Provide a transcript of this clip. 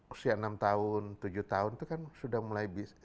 usia enam tahun tujuh tahun itu kan sudah mulai bisa